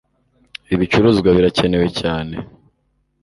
Ibi bicuruzwa birakenewe cyane